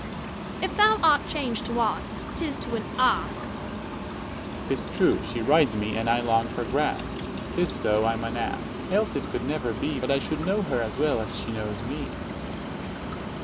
Luc. If thou art chang'd to aught, 'tis to an ass. Dro. S. 'Tis true; she rides me, and I long for grass. 'Tis so, I am an ass; else it could never be 200 But I should know her as well as she knows me.